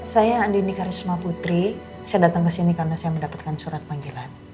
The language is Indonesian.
saya andini karisma putri saya datang kesini karena saya mendapatkan surat panggilan